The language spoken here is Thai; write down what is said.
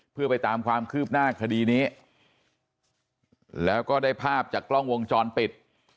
เพื่อไปตามความคืบหน้าคดีนี้แล้วก็ได้ภาพจากกล้องวงจรปิด